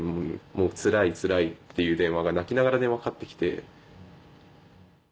もうつらいつらいっていう電話が泣きながら電話かかって来て。